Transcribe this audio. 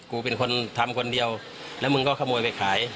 กูเป็นคนทำคนเดียวแล้วมึงก็ขโมยไปขาย